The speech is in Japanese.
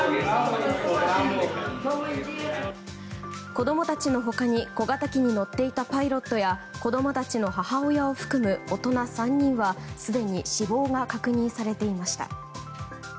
子供たちの他に小型機に乗っていたパイロットや子供たちの母親を含む大人３人はすでに死亡が確認されていました。